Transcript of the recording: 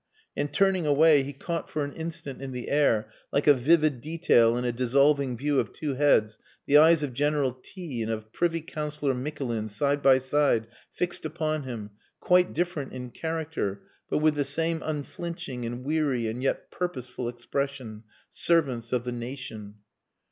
And, turning away, he caught for an instant in the air, like a vivid detail in a dissolving view of two heads, the eyes of General T and of Privy Councillor Mikulin side by side fixed upon him, quite different in character, but with the same unflinching and weary and yet purposeful expression...servants of the nation!